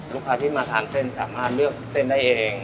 ลูกค้าที่มาทานเส้นสามารถเลือกเส้นได้เอง